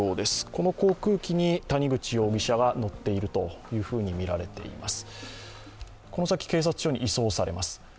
この航空機に谷口容疑者が乗っているとみられています。